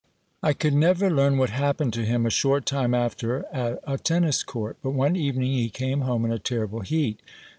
I could never learn what happened to him a short time after at a tennis court ; but one evening he came home in a terrible heat.